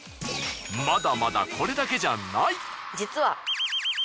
まだまだこれだけじゃない！